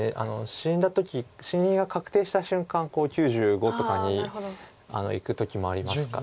死んだ時死にが確定した瞬間９５とかにいく時もありますから。